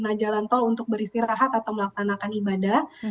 pengguna jalan tol untuk beristirahat atau melaksanakan ibadah